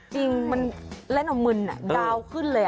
จริงมันเล่นเอามึนดาวขึ้นเลย